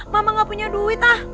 mama gak punya duit ah